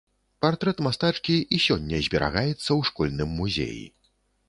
Партрэт мастачкі і сёння зберагаецца ў школьным музеі.